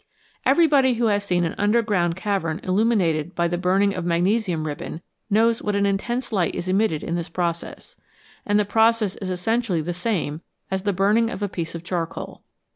Everybody who has seen an underground cavern illumin ated by the burning of magnesium ribbon knows what an intense light is emitted in this process ; and the process is essentially the same as the burning of a piece of char coal.